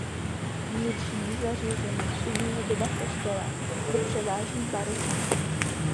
Vnitřní zařízení i výzdoba kostela je převážně barokní.